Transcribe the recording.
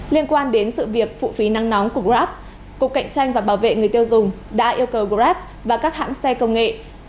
liên quan đến sự việc phụ phí nắng nóng của grab cục cạnh tranh và bảo vệ người tiêu dùng đã yêu cầu grab và các hãng xe công nghệ